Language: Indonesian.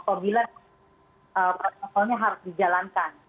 apabila protokolnya harus dijalankan